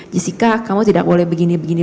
jessica kamu tidak boleh begini begini